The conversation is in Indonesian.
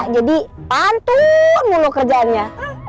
jadi pantun mulu kerjaannya